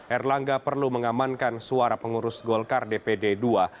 erlangga perlu mengamankan suara pengurus golkar dpd ii